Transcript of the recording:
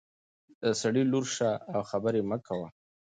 د سړي لور شه او خبرې مه کوه.